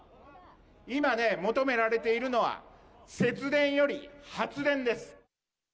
今ね、求められているのは、節電より発電です。